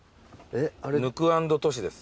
ヌクアンドトシです。